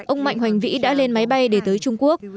ông mạnh hoành vĩ đã lên máy bay để tới trung quốc